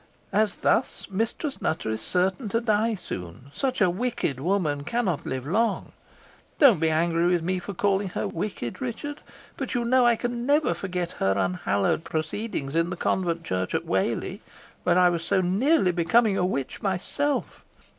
As thus. Mistress Nutter is certain to die soon such a wicked woman cannot live long. Don't be angry with me for calling her wicked, Richard; but you know I never can forget her unhallowed proceedings in the convent church at Whalley, where I was so nearly becoming a witch myself.